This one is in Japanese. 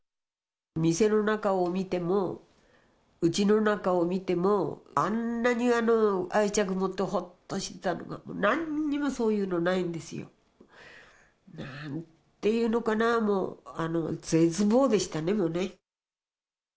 店の中を見ても、うちの中を見ても、あんなに愛着持って、ほっとしたものが、なんにもそういうのないんですよ。なんていうのかな、もう絶望でしたね。